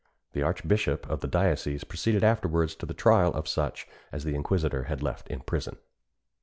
The archbishop of the diocese proceeded afterwards to the trial of such as the inquisitor had left in prison.